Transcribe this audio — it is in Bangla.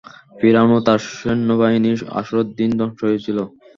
ফিরআউন ও তার সৈন্যবাহিনী আশুরার দিন ধ্বংস হয়েছিল।